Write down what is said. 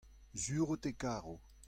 sur out e karo.